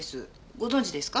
ご存じですか？